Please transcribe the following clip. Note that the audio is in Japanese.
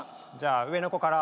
上の子から。